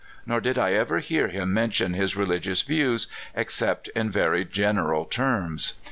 Nor did I ever hear him mention his religious views, except in ver} gen eral terms.